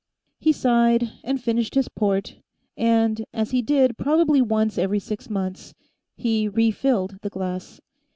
He sighed, and finished his port, and, as he did probably once every six months, he re filled the glass.